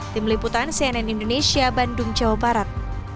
tim liputan cnn indonesia bandung jawa barat